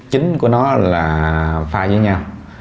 chính của nó là pha với nhau